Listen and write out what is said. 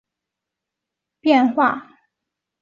福雷地区蒙泰圭人口变化图示